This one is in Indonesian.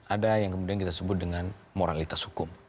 ada yang kemudian kita sebut dengan moralitas hukum